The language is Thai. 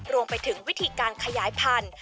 รวมไปถึงวิธีการขยายพันธุ์